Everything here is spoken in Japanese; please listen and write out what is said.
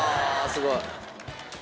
すごい。